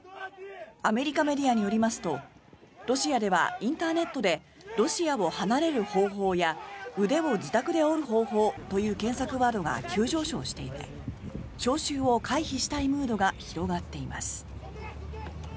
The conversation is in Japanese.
アメリカメディアによりますとロシアではインターネットで「ロシアを離れる方法」や「腕を自宅で折る方法」という検索ワードが急上昇していて招集を回避したいムードが広がっています。